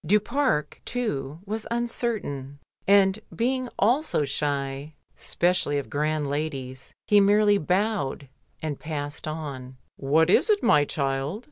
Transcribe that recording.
Du Pare, too, was uncertain, and being also shy, specially of grand ladies, he merely bowed and passed on. "What is it, my child?"